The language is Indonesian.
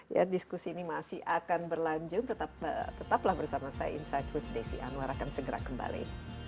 ya diskusi ini masih akan berlanjut tetaplah bersama saya insight with desi anwar akan segera kembali